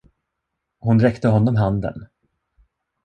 Hon räckte honom handen.